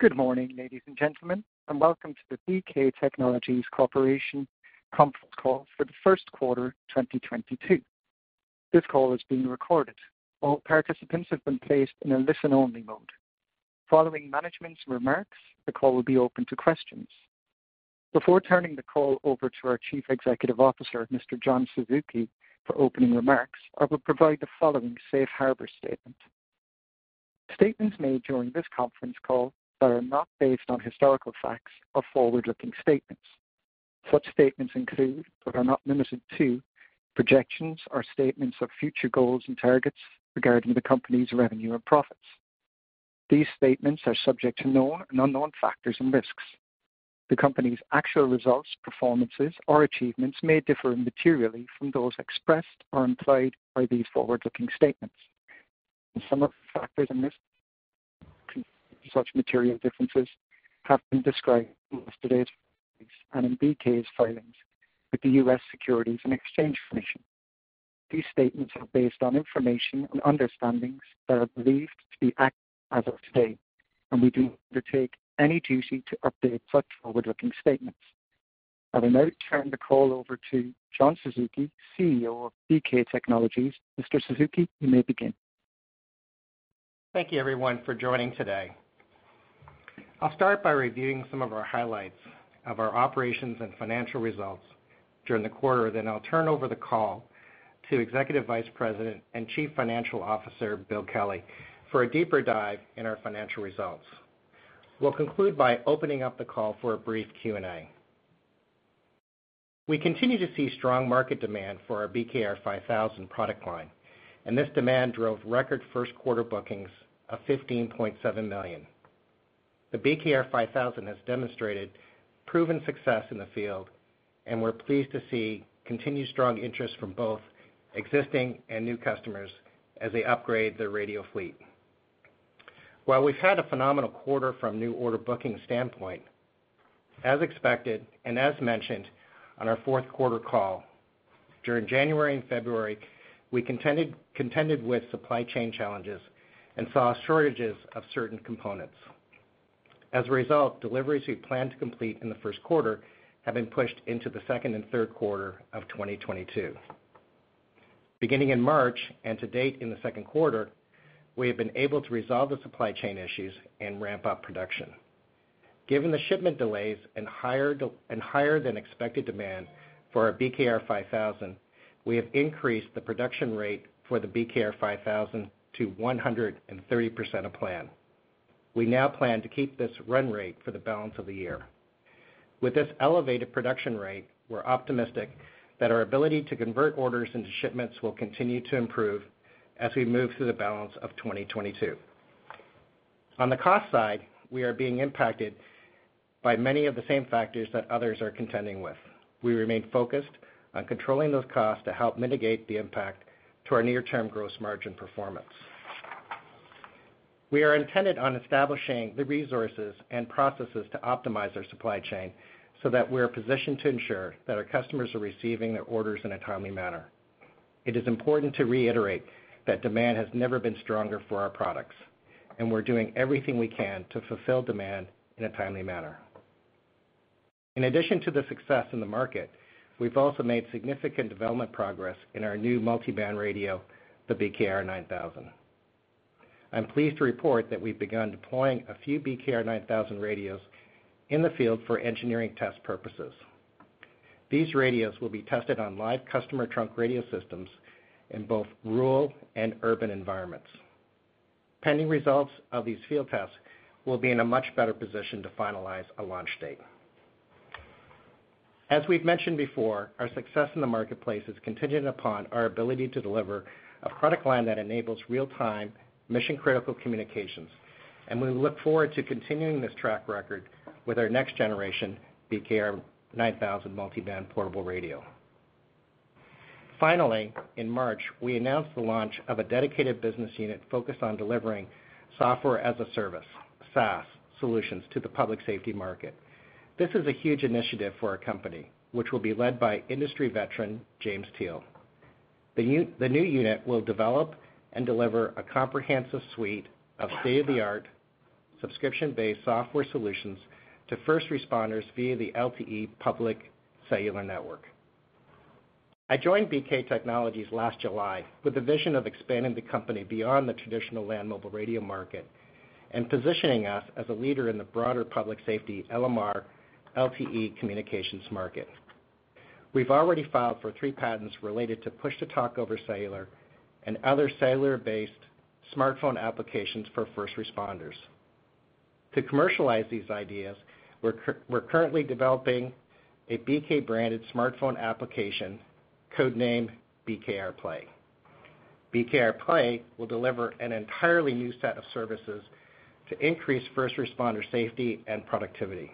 Good morning, ladies and gentlemen, and welcome to the BK Technologies Corporation conference call for the first quarter 2022. This call is being recorded. All participants have been placed in a listen-only mode. Following management's remarks, the call will be open to questions. Before turning the call over to our Chief Executive Officer, Mr. John Suzuki, for opening remarks, I will provide the following safe harbor statement. Statements made during this conference call that are not based on historical facts are forward-looking statements. Such statements include, but are not limited to, projections or statements of future goals and targets regarding the company's revenue and profits. These statements are subject to known and unknown factors and risks. The company's actual results, performances, or achievements may differ materially from those expressed or implied by these forward-looking statements. Some of the factors that may cause such material differences have been described in today's call and in BK's filings with the U.S. Securities and Exchange Commission. These statements are based on information and understandings that are believed to be accurate as of today, and we do not undertake any duty to update such forward-looking statements. I will now turn the call over to John Suzuki, CEO of BK Technologies. Mr. Suzuki, you may begin. Thank you everyone, for joining today. I'll start by reviewing some of our highlights of our operations and financial results during the quarter. I'll turn over the call to Executive Vice President and Chief Financial Officer, Bill Kelly, for a deeper dive in our financial results. We'll conclude by opening up the call for a brief Q&A. We continue to see strong market demand for our BKR 5000 product line, and this demand drove record first quarter bookings of $15.7 million. The BKR 5000 has demonstrated proven success in the field, and we're pleased to see continued strong interest from both existing and new customers as they upgrade their radio fleet. While we've had a phenomenal quarter from new order booking standpoint, as expected and as mentioned on our fourth quarter call, during January and February, we contended with supply chain challenges and saw shortages of certain components. As a result, deliveries we planned to complete in the first quarter have been pushed into the second and third quarter of 2022. Beginning in March and to date in the second quarter, we have been able to resolve the supply chain issues and ramp up production. Given the shipment delays and higher than expected demand for our BKR 5000, we have increased the production rate for the BKR 5000 to 130% of plan. We now plan to keep this run rate for the balance of the year. With this elevated production rate, we're optimistic that our ability to convert orders into shipments will continue to improve as we move through the balance of 2022. On the cost side, we are being impacted by many of the same factors that others are contending with. We remain focused on controlling those costs to help mitigate the impact to our near-term gross margin performance. We are intent on establishing the resources and processes to optimize our supply chain so that we're positioned to ensure that our customers are receiving their orders in a timely manner. It is important to reiterate that demand has never been stronger for our products, and we're doing everything we can to fulfill demand in a timely manner. In addition to the success in the market, we've also made significant development progress in our new multi-band radio, the BKR 9000. I'm pleased to report that we've begun deploying a few BKR 9000 radios in the field for engineering test purposes. These radios will be tested on live customer trunk radio systems in both rural and urban environments. Pending results of these field tests, we'll be in a much better position to finalize a launch date. As we've mentioned before, our success in the marketplace is contingent upon our ability to deliver a product line that enables real-time, mission-critical communications, and we look forward to continuing this track record with our next-generation BKR 9000 multiband portable radio. Finally, in March, we announced the launch of a dedicated business unit focused on delivering software-as-a-service, SaaS, solutions to the public safety market. This is a huge initiative for our company, which will be led by industry veteran, James Teel. The new unit will develop and deliver a comprehensive suite of state-of-the-art subscription-based software solutions to first responders via the LTE public cellular network. I joined BK Technologies last July with the vision of expanding the company beyond the traditional land mobile radio market and positioning us as a leader in the broader public safety LMR, LTE communications market. We've already filed for three patents related to push-to-talk over cellular and other cellular-based smartphone applications for first responders. To commercialize these ideas, we're currently developing a BK-branded smartphone application, code-named BKR Play. BKR Play will deliver an entirely new set of services to increase first responder safety and productivity.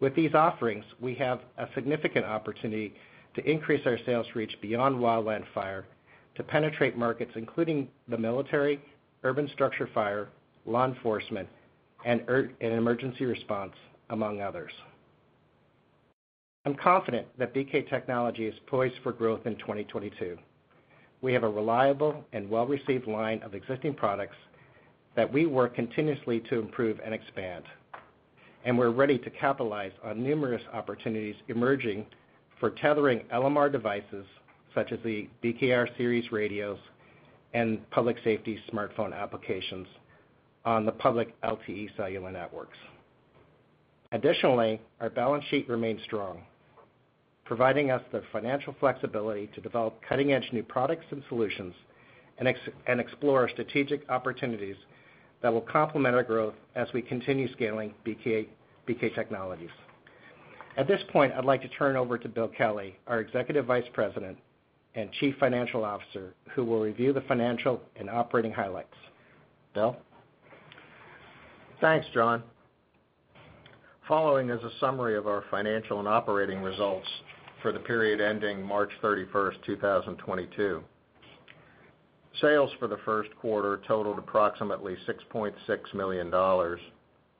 With these offerings, we have a significant opportunity to increase our sales reach beyond wildland fire to penetrate markets, including the military, urban structure fire, law enforcement, and emergency response, among others. I'm confident that BK Technologies is poised for growth in 2022. We have a reliable and well-received line of existing products that we work continuously to improve and expand. We're ready to capitalize on numerous opportunities emerging for tethering LMR devices, such as the BKR series radios, and public safety smartphone applications on the public LTE cellular networks. Additionally, our balance sheet remains strong, providing us the financial flexibility to develop cutting-edge new products and solutions and explore strategic opportunities that will complement our growth as we continue scaling BK Technologies. At this point, I'd like to turn over to Bill Kelly, our Executive Vice President and Chief Financial Officer, who will review the financial and operating highlights. Bill? Thanks, John. The following is a summary of our financial and operating results for the period ending March 31st, 2022. Sales for the first quarter totaled approximately $6.6 million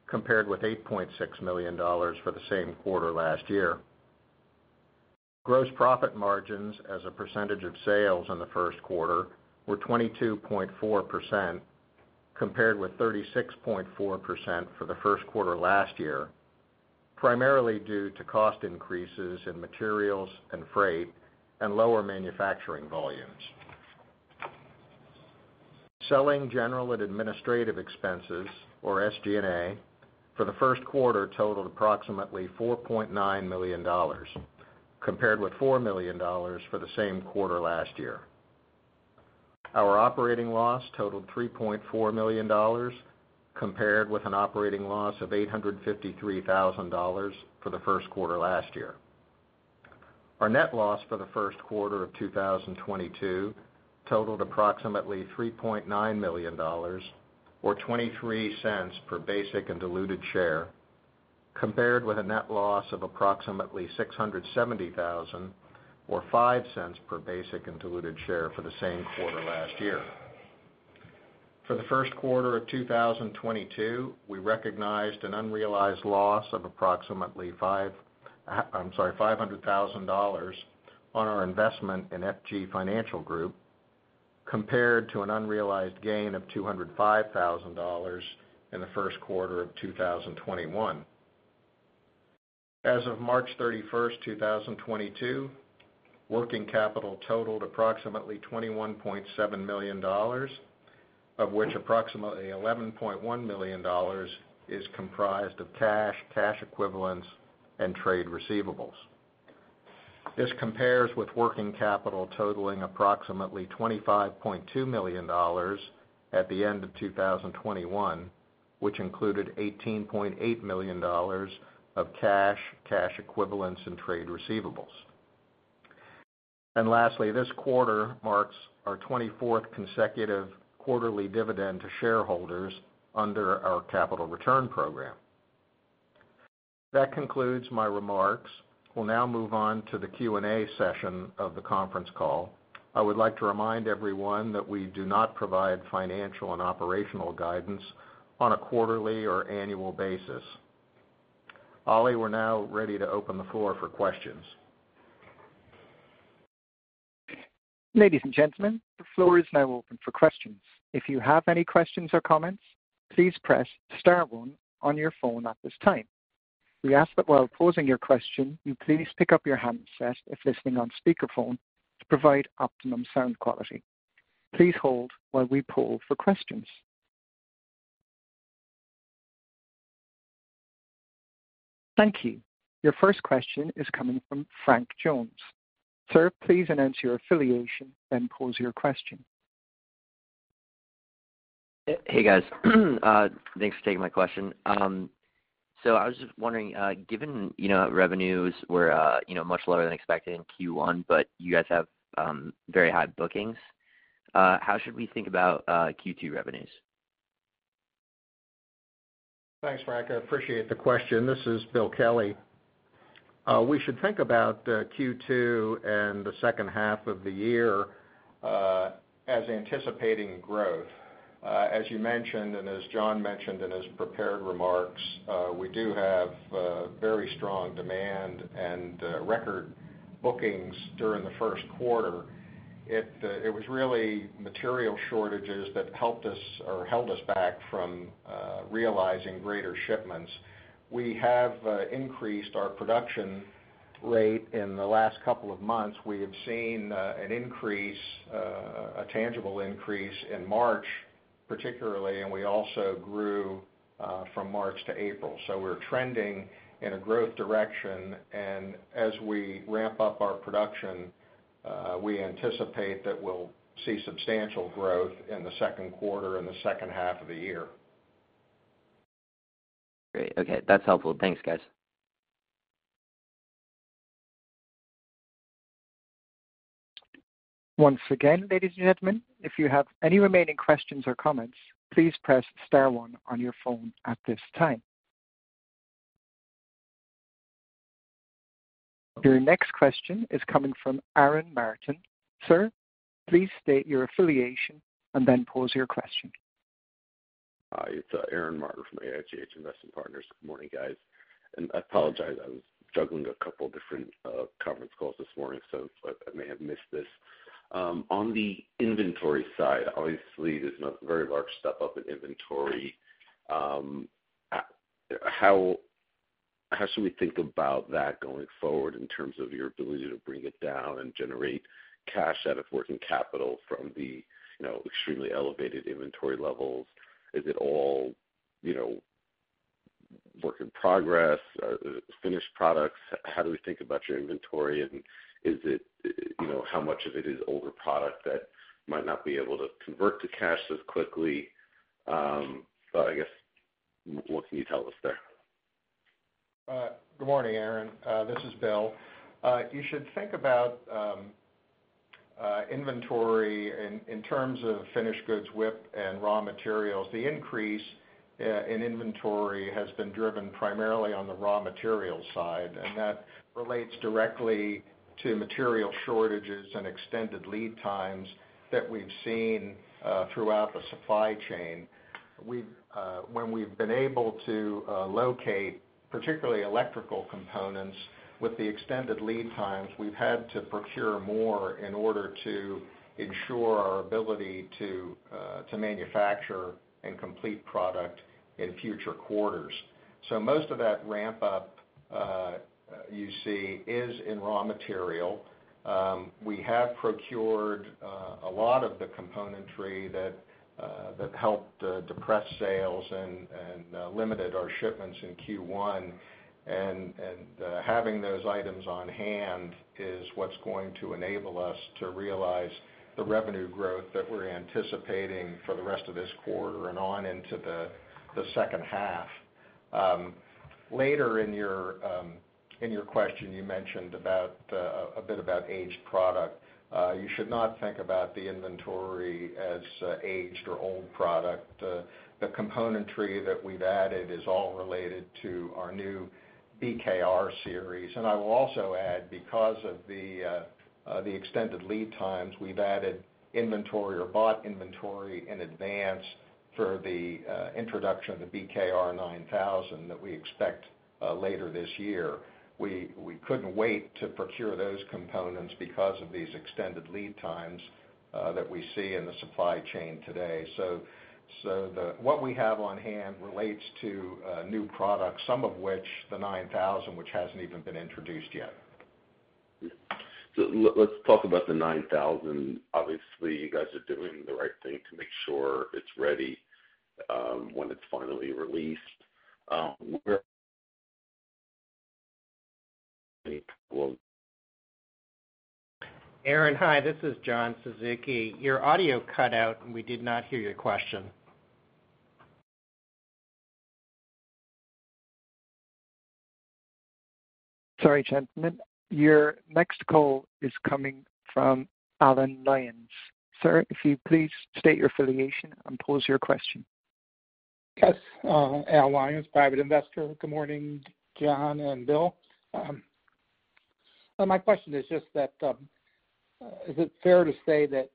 compared with $8.6 million for the same quarter last year. Gross profit margins as a percentage of sales in the first quarter were 22.4% compared with 36.4% for the first quarter last year, primarily due to cost increases in materials and freight and lower manufacturing volumes. Selling, general, and administrative expenses, or SG&A, for the first quarter totaled approximately $4.9 million compared with $4 million for the same quarter last year. Our operating loss totaled $3.4 million compared with an operating loss of $853,000 for the first quarter last year. Our net loss for the first quarter of 2022 totaled approximately $3.9 million, or $0.23 per basic and diluted share, compared with a net loss of approximately $670,000, or $0.05 per basic and diluted share, for the same quarter last year. For the first quarter of 2022, we recognized an unrealized loss of approximately $500,000 on our investment in FG Financial Group, compared to an unrealized gain of $205,000 in the first quarter of 2021. As of March 31, 2022, working capital totaled approximately $21.7 million, of which approximately $11.1 million is comprised of cash equivalents, and trade receivables. This compares with working capital totaling approximately $25.2 million at the end of 2021, which included $18.8 million of cash equivalents, and trade receivables. Lastly, this quarter marks our 24th consecutive quarterly dividend to shareholders under our capital return program. That concludes my remarks. We'll now move on to the Q&A session of the conference call. I would like to remind everyone that we do not provide financial and operational guidance on a quarterly or annual basis. Oli, we're now ready to open the floor for questions. Ladies and gentlemen, the floor is now open for questions. If you have any questions or comments, please press star one on your phone at this time. We ask that while posing your question, you please pick up your handset if listening on speakerphone to provide optimum sound quality. Please hold while we poll for questions. Thank you. Your first question is coming from Frank Jones. Sir, please announce your affiliation and pose your question. Hey, guys. Thanks for taking my question. I was just wondering, given you know revenues were, you know, much lower than expected in Q1, but you guys have very high bookings, how should we think about Q2 revenues? Thanks, Frank. I appreciate the question. This is Bill Kelly. We should think about Q2 and the second half of the year as anticipating growth. As you mentioned, and as John mentioned in his prepared remarks, we do have very strong demand and record bookings during the first quarter. It was really material shortages that helped us or held us back from realizing greater shipments. We have increased our production rate in the last couple of months. We have seen an increase, a tangible increase in March, particularly, and we also grew from March to April. So we're trending in a growth direction. As we ramp up our production, we anticipate that we'll see substantial growth in the second quarter and the second half of the year. Great. Okay. That's helpful. Thanks, guys. Once again, ladies and gentlemen, if you have any remaining questions or comments, please press star one on your phone at this time. Your next question is coming from Aaron Marder. Sir, please state your affiliation and then pose your question. Hi, it's Aaron Marder from AIGH Investment Partners. Good morning, guys. I apologize, I was juggling a couple of different conference calls this morning, so I may have missed this. On the inventory side, obviously, there's a very large step up in inventory. How should we think about that going forward in terms of your ability to bring it down and generate cash out of working capital from the, you know, extremely elevated inventory levels? Is it all, you know, work in progress, finished products? How do we think about your inventory, and is it, you know, how much of it is older product that might not be able to convert to cash as quickly? But I guess, what can you tell us there? Good morning, Aaron. This is Bill. You should think about inventory in terms of finished goods, WIP and raw materials. The increase in inventory has been driven primarily on the raw material side, and that relates directly to material shortages and extended lead times that we've seen throughout the supply chain. When we've been able to locate particular electrical components with the extended lead times, we've had to procure more in order to ensure our ability to manufacture and complete products in future quarters. Most of that ramp-up you see is in raw material. We have procured a lot of the componentry that helped depress sales and limited our shipments in Q1. Having those items on hand is what's going to enable us to realize the revenue growth that we're anticipating for the rest of this quarter and on into the second half. Later in your question, you mentioned about a bit about aged product. You should not think about the inventory as aged or old product. The componentry that we've added is all related to our new BKR series. I will also add, because of the extended lead times, we've added inventory or bought inventory in advance for the introduction of the BKR 9000 that we expect later this year. We couldn't wait to procure those components because of these extended lead times that we see in the supply chain today. What we have on hand relates to new products, some of which the BKR 9000, which hasn't even been introduced yet. Let's talk about the BKR 9000. Obviously, you guys are doing the right thing to make sure it's ready, when it's finally released, where Aaron, hi, this is John Suzuki. Your audio cut out, and we did not hear your question. Sorry, gentlemen. Your next call is coming from Alan Lyons. Sir, if you'd please state your affiliation and pose your question. Yes, Al Lyons, private investor. Good morning, John and Bill. My question is just that, is it fair to say that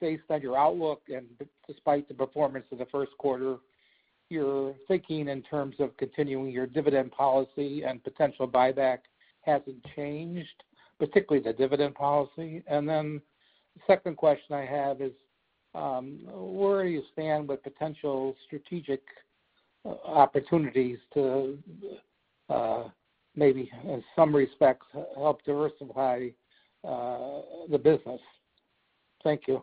based on your outlook and despite the performance of the first quarter, you're thinking in terms of continuing your dividend policy and potential buyback hasn't changed, particularly the dividend policy? Then the second question I have is, where you stand with potential strategic opportunities to, maybe in some respects, help diversify, the business. Thank you.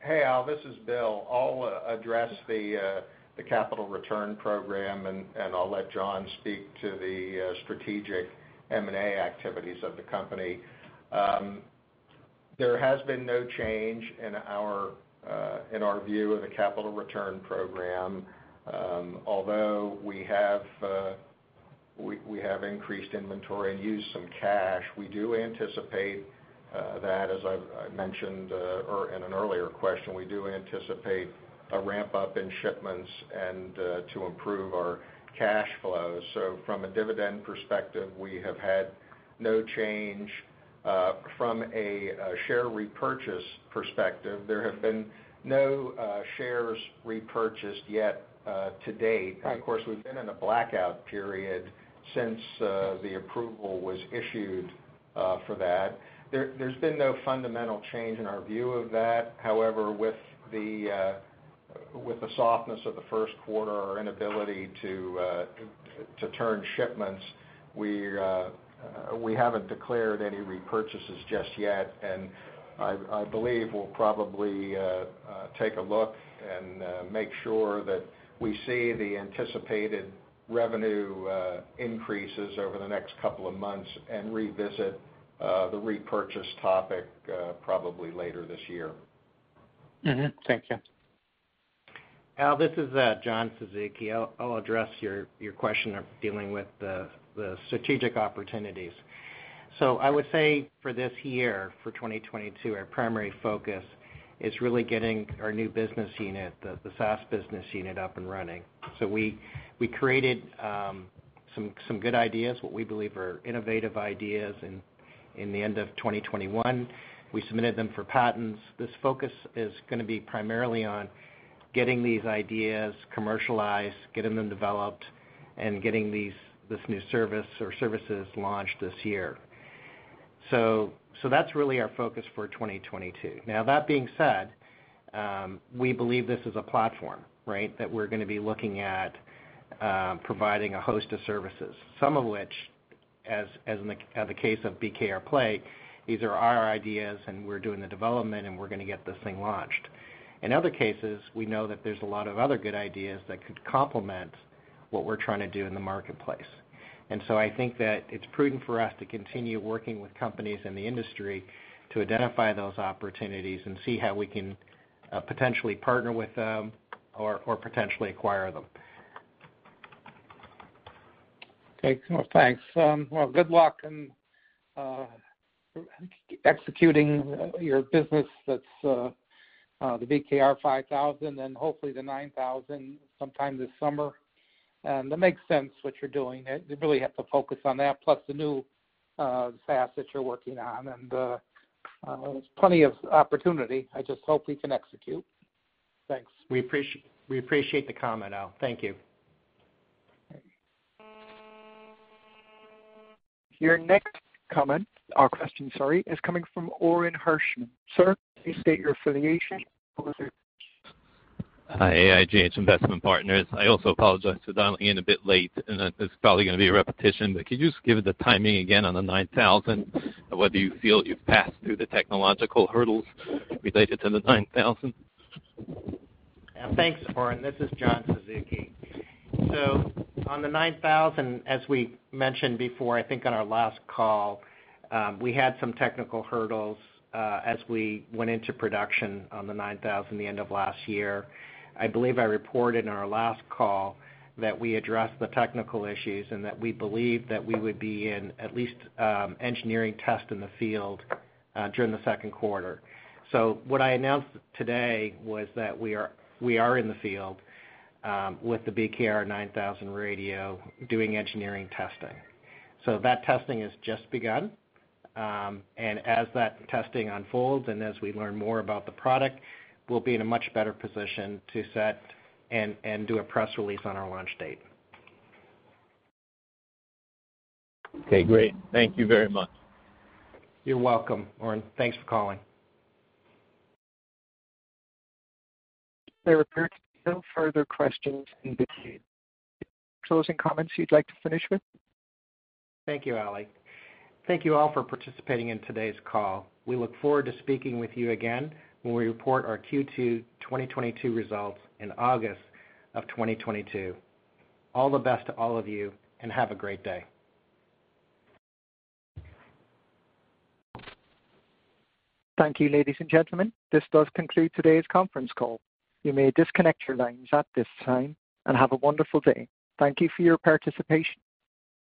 Hey, Al, this is Bill. I'll address the capital return program, and I'll let John speak to the strategic M&A activities of the company. There has been no change in our view of the capital return program. Although we have increased inventory and used some cash, we do anticipate that, as I've mentioned, or in an earlier question, we do anticipate a ramp-up in shipments and to improve our cash flow. From a dividend perspective, we have had no change. From a share repurchase perspective, there have been no shares repurchased yet to date. Of course, we've been in a blackout period since the approval was issued for that. There's been no fundamental change in our view of that. However, with the softness of the first quarter, our inability to turn shipments, we haven't declared any repurchases just yet. I believe we'll probably take a look and make sure that we see the anticipated revenue increases over the next couple of months and revisit the repurchase topic probably later this year. Mm-hmm. Thank you. Al, this is John Suzuki. I'll address your question of dealing with the strategic opportunities. I would say for this year, for 2022, our primary focus is really getting our new business unit, the SaaS business unit, up and running. We created some good ideas, what we believe are innovative ideas, and in the end of 2021, we submitted them for patents. This focus is gonna be primarily on getting these ideas commercialized, getting them developed, and getting this new service or services launched this year. That's really our focus for 2022. Now, that being said, we believe this is a platform, right? That we're gonna be looking at providing a host of services, some of which, as in the case of BKR Play, these are our ideas, and we're doing the development, and we're gonna get this thing launched. In other cases, we know that there's a lot of other good ideas that could complement what we're trying to do in the marketplace. I think that it's prudent for us to continue working with companies in the industry to identify those opportunities and see how we can potentially partner with them or potentially acquire them. Okay. Well, thanks. Well, good luck and executing your business. That's the BKR 5000 and hopefully the BKR 9000 sometime this summer. That makes sense, what you're doing. You really have to focus on that, plus the new SaaS that you're working on. There's plenty of opportunity. I just hope we can execute. Thanks. We appreciate the comment, Al. Thank you. All right. Your next comment or question, sorry, is coming from Oren Hershman. Sir, please state your affiliation. Hi, AIGH Investment Partners. I also apologize for dialing in a bit late, and this is probably gonna be a repetition, but could you just give the timing again on the nine thousand and whether you feel you've passed through the technological hurdles related to the BKR 9000? Yeah. Thanks, Oren. This is John Suzuki. On the BKR 9000, as we mentioned before, I think on our last call, we had some technical hurdles, as we went into production on the BKR 9000 the end of last year. I believe I reported on our last call that we addressed the technical issues and that we believed that we would be in at least engineering test in the field, during the second quarter. What I announced today was that we are in the field with the BKR 9000 radio, doing engineering testing. That testing has just begun, and as that testing unfolds and as we learn more about the product, we'll be in a much better position to set and do a press release on our launch date. Okay, great. Thank you very much. You're welcome, Oren. Thanks for calling. There appear to be no further questions in the queue. Any closing comments you'd like to finish with? Thank you, Oli. Thank you all for participating in today's call. We look forward to speaking with you again when we report our Q2 2022 results in August of 2022. All the best to all of you, and have a great day. Thank you, ladies and gentlemen. This does conclude today's conference call. You may disconnect your lines at this time, and have a wonderful day. Thank you for your participation.